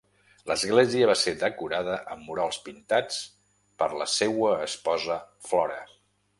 L'església va ser decorada amb murals pintats per la seua esposa Flora.